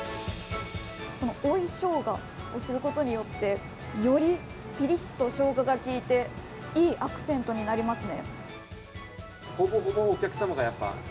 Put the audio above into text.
追いしょうがをすることによってよりピリッとしょうががきいていいアクセントになりますね。